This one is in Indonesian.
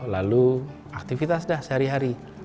lalu aktivitas dah sehari hari